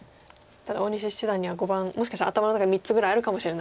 ただ大西七段には碁盤もしかしたら頭の中に３つぐらいあるかもしれないですね。